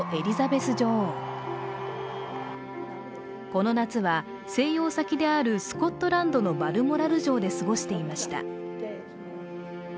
この夏は静養先であるスコットランドのバルモラル城で過ごしていました。